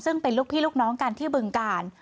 ซึ่งเป็นลูกพี่ลูกน้องกันที่บึงกาล